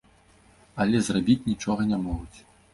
Але зрабіць нічога не могуць.